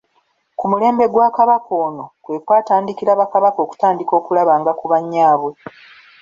Ku mulembe gwa Kabaka ono kwe kwatandikira Bakabaka okutandika okulabanga ku bannyaabwe.